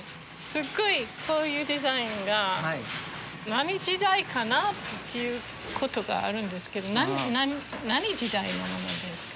すごいこういうデザインが何時代かなっていう事があるんですけど何時代のものですか？